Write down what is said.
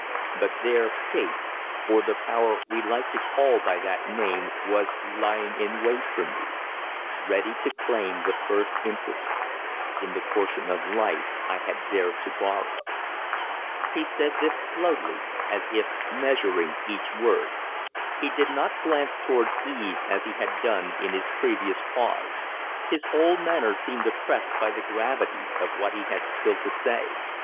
But there Fate or the power we like to call by that name was lying in wait for me, ready to claim the first interest in the portion of life I had dared to borrow." He said this slowly, as if measuring each word. He did not glance towards Eve as he had done in his previous pause. His whole manner seemed oppressed by the gravity of what he had still to say.